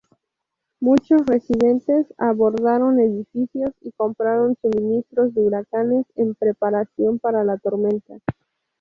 Muchos residentes abordaron edificios y compraron suministros de huracanes en preparación para la tormenta.